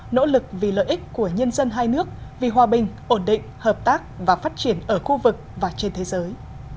nỗ lực vì lợi ích của nhân dân hai nước vì hòa bình ổn định hợp tác và phát triển ở khu vực và trên thế giới